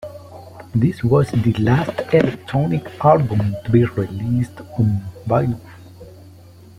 This was the last Electronic album to be released on vinyl.